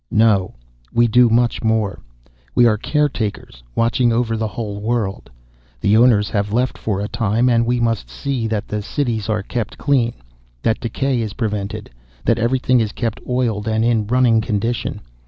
"No, we do much more. We are caretakers, watching over the whole world. The owners have left for a time, and we must see that the cities are kept clean, that decay is prevented, that everything is kept oiled and in running condition.